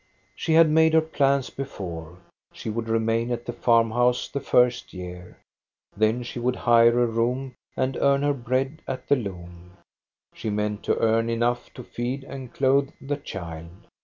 She had made her plans before. She would re* main at the farm house the first year. Then she would hire a room and earn her bread at the loom. She meant to earn enough to feed and clothe the child.